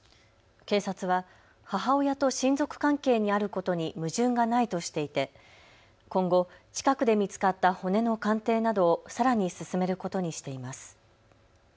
警察は母親と親族関係にあることに矛盾がないとしていて今後、近くで見つかった骨の鑑定などをさらに進めることにしています。